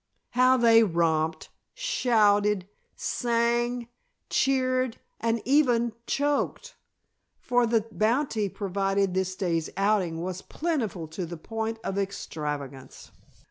How they romped, shouted, sang, cheered and even choked! For the bounty provided this day's outing was plentiful to the point of extravagance.